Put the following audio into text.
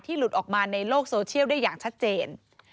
หลุดออกมาในโลกโซเชียลได้อย่างชัดเจน